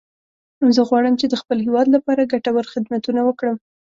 زه غواړم چې د خپل هیواد لپاره ګټور خدمتونه وکړم